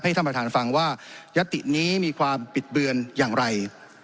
ท่านประธานฟังว่ายัตตินี้มีความปิดเบือนอย่างไร